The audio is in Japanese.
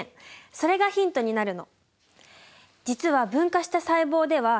それがヒントになるの。